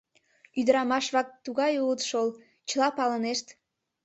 — Ӱдырамаш-влак тугай улыт шол, чыла палынешт.